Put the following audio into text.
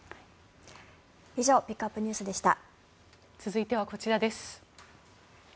以上ピックアップＮＥＷＳでした。